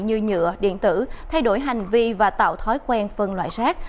như nhựa điện tử thay đổi hành vi và tạo thói quen phân loại rác